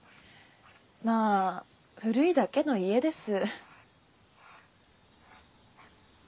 まあ古いだけの家です。